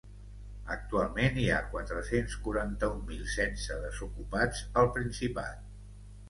Actualment hi ha quatre-cents quaranta-un mil setze desocupats al Principat.